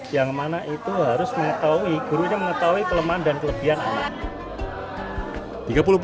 yang mana itu harus mengetahui gurunya mengetahui kelemahan dan kelebihan anak